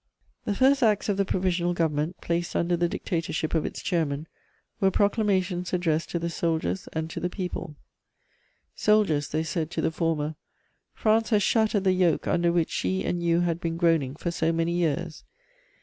* The first acts of the Provisional Government, placed under the dictatorship of its chairman, were proclamations addressed to the soldiers and to the people: "Soldiers," they said to the former, "France has shattered the yoke under which she and you had been groaning for so many years.